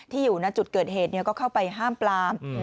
อยู่ในจุดเกิดเหตุก็เข้าไปห้ามปลาม